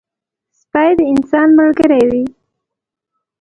سپي د انسان ملګری وي.